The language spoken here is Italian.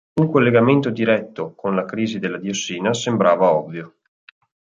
Un collegamento diretto con la crisi della diossina sembrava ovvio.